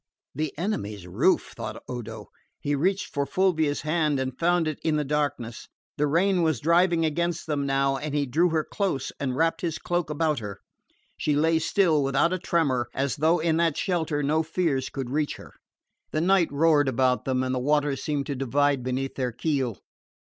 "The enemy's roof!" thought Odo. He reached for Fulvia's hand and found it in the darkness. The rain was driving against them now and he drew her close and wrapped his cloak about her. She lay still, without a tremor, as though in that shelter no fears could reach her. The night roared about them and the waters seemed to divide beneath their keel.